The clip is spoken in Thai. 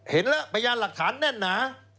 เห็นแล้วพยานหลักฐานแน่นหนา